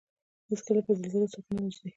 هېڅکله به زلزله څوک ونه وژني